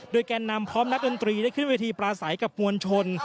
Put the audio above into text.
แก่นนำพร้อมนักดนตรีได้ขึ้นเวทีปลาใสกับมวลชน